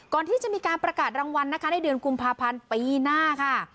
ก่อนที่จะมีการประกาศรางวัลนะคะในเดือนกุมภาพันธ์ปีหน้าค่ะ